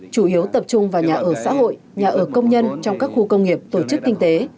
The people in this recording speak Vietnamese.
chủ yếu tập trung vào nhà ở xã hội nhà ở công nhân trong các khu công nghiệp tổ chức kinh tế